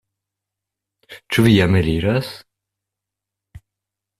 Ĉu vi jam eliras?